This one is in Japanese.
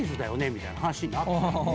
みたいな話になって。